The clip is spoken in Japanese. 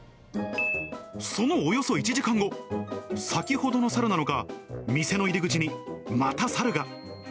そのおよそ１時間後、先ほどの猿なのか、店の入り口にまた猿が。